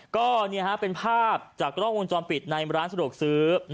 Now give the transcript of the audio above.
ก็เป็นภาพจากกล้องวงจรปิดในร้านสะดวกซื้อ